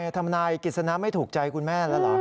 ทำนายกิจสนะไม่ถูกใจคุณแม่แล้วเหรอ